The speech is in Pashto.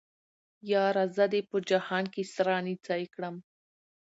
ياره زه دې په جهان کې سره نيڅۍ کړم